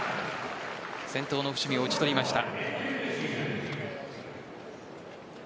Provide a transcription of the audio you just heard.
先頭の伏見を打ち取りました。